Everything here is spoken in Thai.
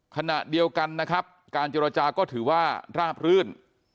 ขณะเดียวกันนะครับการเจรจาก็ถือว่าราบรื่น